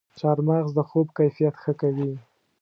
چارمغز د خوب کیفیت ښه کوي.